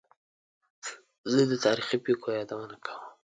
زه د تاریخي پېښو یادونه کوم.